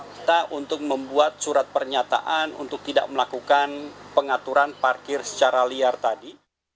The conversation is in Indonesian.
kita untuk membuat surat pernyataan untuk tidak melakukan pengaturan parkir secara liar tadi